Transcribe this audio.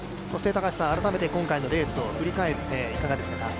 改めて今回のレースを振り返っていかがでしたか？